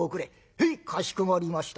「へいかしこまりました」